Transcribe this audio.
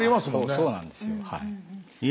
そうなんですよはい。